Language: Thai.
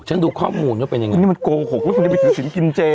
ฉันดูข้อมูลเขาเป็นยังไงอันนี้มันโกหกเพราะคุณเนี่ยไปถือศิลป์กินเจ